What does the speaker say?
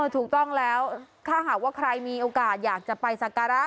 ถูกต้องแล้วถ้าหากว่าใครมีโอกาสอยากจะไปสักการะ